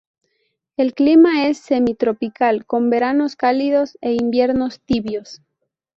El clima es semi-tropical con veranos cálidos e inviernos tibios.